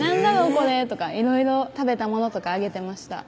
これとかいろいろ食べたものとか上げてました